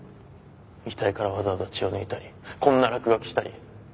遺体からわざわざ血を抜いたりこんな落書きしたり。